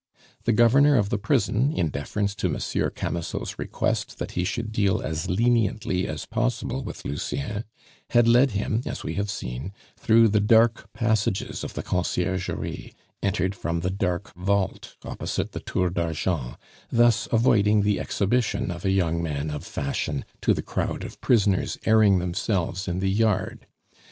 The Governor of the prison, in deference to Monsieur Camusot's request that he should deal as leniently as possible with Lucien, had led him, as we have seen, through the dark passages of the Conciergerie, entered from the dark vault opposite the Tour d'Argent, thus avoiding the exhibition of a young man of fashion to the crowd of prisoners airing themselves in the yard.